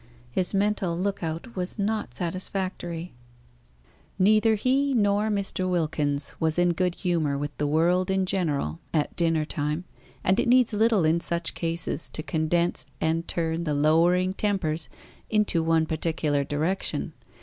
His mental look out was not satisfactory. Neither he nor Mr. Wilkins was in good humour with the world in general at dinner time, and it needs little in such cases to condense and turn the lowering tempers into one particular direction.